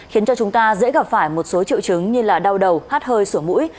khiến cho chúng ta dễ gặp phải một số triệu chứng như là đau đầu hát hơi sủa mũi